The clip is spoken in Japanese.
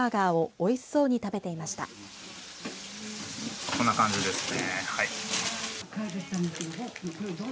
こんな感じですね。